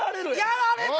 やられた！